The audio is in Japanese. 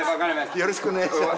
よろしくお願いします。